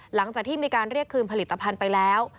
หลังจากที่มีการเรียกคืนผลิตภัณฑ์ไปแล้ว